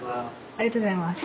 ありがとうございます。